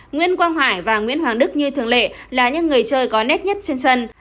nguyễn quang hải và nguyễn hoàng đức như thường lệ là những người chơi có nét nhất trên sân